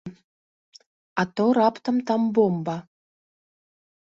А то раптам там бомба!